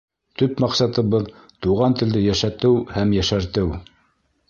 Төп маҡсатыбыҙ — туған телде йәшәтеү һәм йәшәртеү.